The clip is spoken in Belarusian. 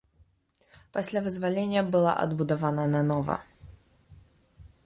Пасля вызвалення была адбудавана нанова.